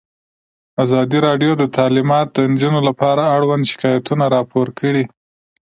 ازادي راډیو د تعلیمات د نجونو لپاره اړوند شکایتونه راپور کړي.